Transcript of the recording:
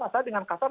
saya dengan kasar